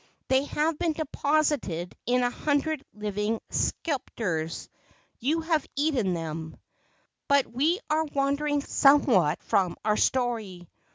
They have been deposited in a hundred living sepulchres. You have eaten them!" But we are wandering somewhat from our story.